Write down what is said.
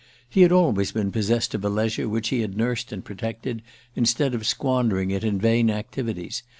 He had always been possessed of a leisure which he had nursed and protected, instead of squandering it in vain activities.